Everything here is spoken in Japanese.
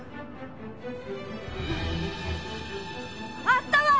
あったわ！